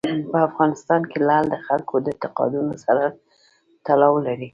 په افغانستان کې لعل د خلکو د اعتقاداتو سره تړاو لري.